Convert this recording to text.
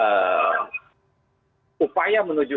terima kasih para penduduk